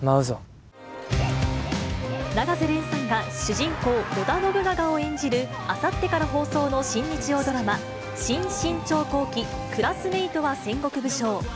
永瀬廉さんが主人公、織田信長を演じる、あさってから放送の新日曜ドラマ、新・信長公記・クラスメイトは戦国武将。